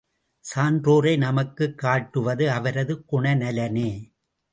சான்றோரை நமக்குக் காட்டுவது அவரது குணநலனே.